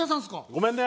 ごめんね。